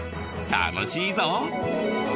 楽しいぞ！